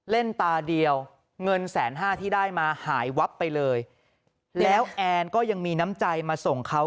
ตาเดียวเงินแสนห้าที่ได้มาหายวับไปเลยแล้วแอนก็ยังมีน้ำใจมาส่งเขา